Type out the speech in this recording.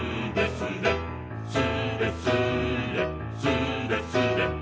「スレスレスレスレ」